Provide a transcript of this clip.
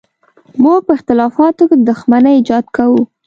موږ په اختلافاتو کې د دښمنۍ ایجاد کوو.